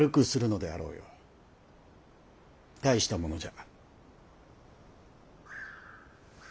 大したものじゃ。